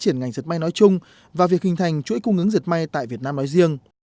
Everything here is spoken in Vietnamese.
triển ngành dệt may nói chung và việc hình thành chuỗi cung ứng diệt may tại việt nam nói riêng